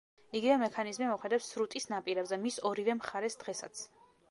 იგივე მექანიზმი მოქმედებს სრუტის ნაპირებზე მის ორივე მხარეს დღესაც.